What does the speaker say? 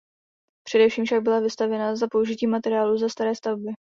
Předsíň však byla vystavěna za použití materiálu ze staré stavby.